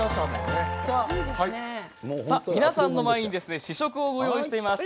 皆さんの前に試食をご用意しています。